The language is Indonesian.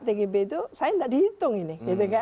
tgb itu saya tidak dihitung ini